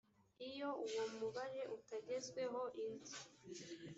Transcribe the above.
iyo uwo mubare utagezweho indi